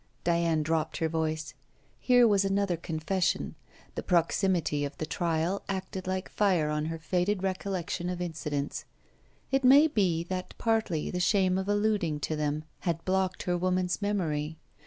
Diana dropped her voice. Here was another confession. The proximity of the trial acted like fire on her faded recollection of incidents. It may be that partly the shame of alluding to them had blocked her woman's memory.